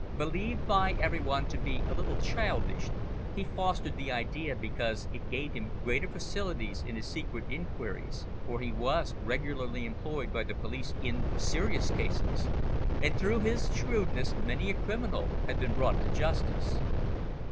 Believed by every one to be a little childish, he fostered the idea because it gave him greater facilities in his secret inquiries, for he was regularly employed by the police in serious cases, and through his shrewdness many a criminal had been brought to justice.